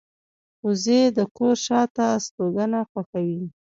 وزې د کور شاته استوګنه خوښوي